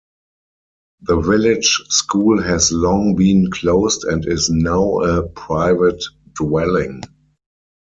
The village school has long been closed and is now a private dwelling.